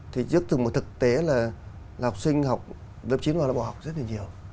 thì trước từng một thực tế là học sinh học lớp chín vào là bỏ học rất là nhiều